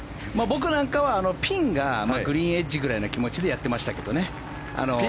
僕なんかはピンがグリーンエッジぐらいでやってましたけどね。